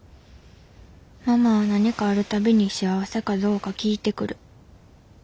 ママは何かある度に幸せかどうか聞いてくる。